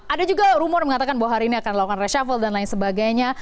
ada juga rumor mengatakan bahwa hari ini akan dilakukan reshuffle dan lain sebagainya